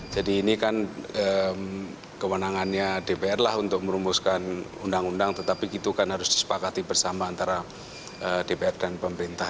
ini kan kewenangannya dpr lah untuk merumuskan undang undang tetapi itu kan harus disepakati bersama antara dpr dan pemerintah